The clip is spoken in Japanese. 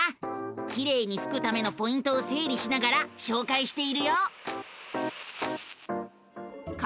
きれいにふくためのポイントをせいりしながらしょうかいしているよ！